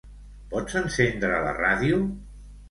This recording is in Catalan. Pots encendre la ràdio?